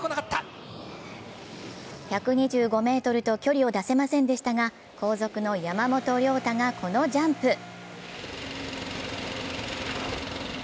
１２５ｍと距離を出せませんでしたが、後続の山本涼太がこのジャンプ。